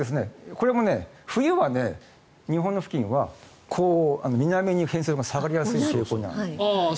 これも冬は日本付近は南に偏西風が下がりやすい傾向にあるんです。